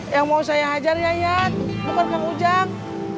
yang mau saya hajar yayat bukan kang ujang